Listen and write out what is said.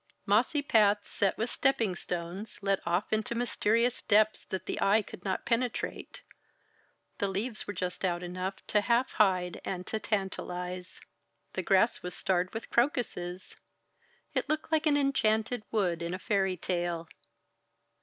Mossy paths set with stepping stones led off into mysterious depths that the eye could not penetrate: the leaves were just out enough to half hide and to tantalize. The grass was starred with crocuses. It looked like an enchanted wood in a fairy tale.